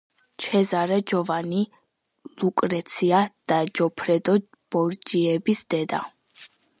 ჩეზარე, ჯოვანი, ლუკრეცია და ჯოფრედო ბორჯიების დედა.